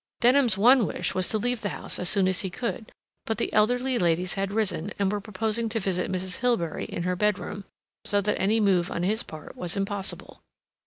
Denham's one wish was to leave the house as soon as he could; but the elderly ladies had risen, and were proposing to visit Mrs. Hilbery in her bedroom, so that any move on his part was impossible.